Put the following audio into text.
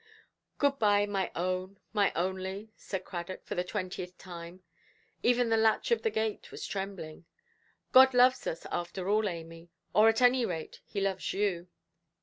"Good–bye, my own, my only", said Cradock, for the twentieth time; even the latch of the gate was trembling; "God loves us, after all, Amy. Or, at any rate, He loves you".